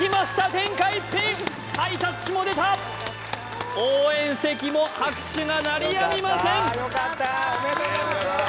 天下一品ハイタッチも出た応援席も拍手が鳴り止みません